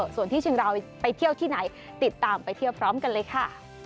ส่วนที่เชียงรายไปเที่ยวที่ไหนติดตามไปเที่ยวพร้อมกันเลยค่ะ